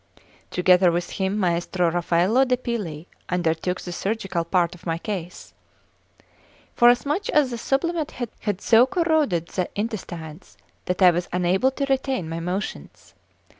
Together with him Maestro Raffaello de' Pilli undertook the surgical part of my case, forasmuch as the sublimate had so corroded the intestines that I was unable to retain my motions.